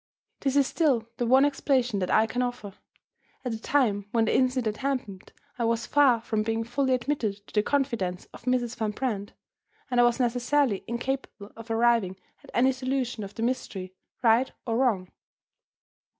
This is still the one explanation that I can offer. At the time when the incident happened, I was far from being fully admitted to the confidence of Mrs. Van Brandt; and I was necessarily incapable of arriving at any solution of the mystery, right or wrong.